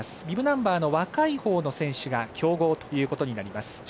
ビブナンバーの若いほうの選手が強豪となります。